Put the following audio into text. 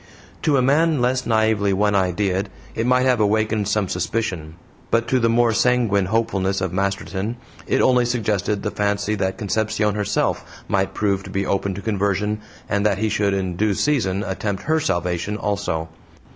To a man less naively one ideaed it might have awakened some suspicion; but to the more sanguine hopefulness of Masterton it only suggested the fancy that Concepcion herself might prove to be open to conversion, and that he should in due season attempt HER salvation also.